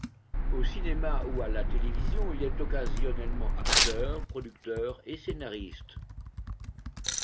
Au cinéma ou à la télévision, il est occasionnellement acteur, producteur et scénariste.